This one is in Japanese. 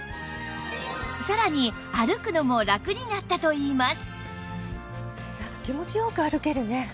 さらに歩くのもラクになったといいます